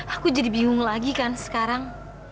aku jadi bingung lagi kan sekarang